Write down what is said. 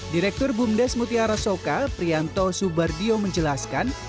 direktur bumdes mutiara soka prianto subardio menjelaskan